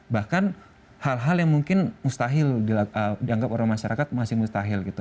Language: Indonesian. bahkan hal hal yang mungkin mustahil dianggap oleh masyarakat masih mustahil gitu